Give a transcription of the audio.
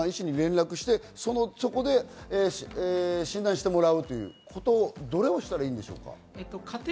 連絡してそこで診断してもらうということ、どれをしたらいいでしょうか？